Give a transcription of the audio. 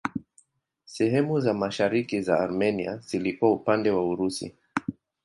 Sehemu za mashariki za Armenia zilikuwa upande wa Urusi.